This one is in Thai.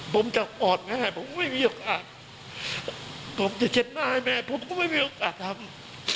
ผมจะปอดง่ายผมก็ไม่มีโอกาสผมจะเช็ดหน้าให้แม่ผมก็ไม่มีโอกาสทำ